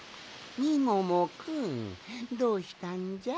みももくんどうしたんじゃ？